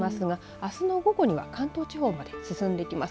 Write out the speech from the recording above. あすの午後には関東地方まで進んできます。